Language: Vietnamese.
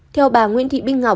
theo bà nguyễn thị binh ngọc